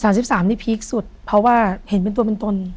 ๓๓ปีนี้พีคสุดเพราะว่าเห็นตัวเป็นตน